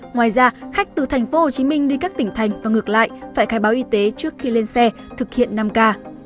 ngoài ra khách từ tp hcm đi các tỉnh thành và ngược lại phải khai báo y tế trước khi lên xe thực hiện năm k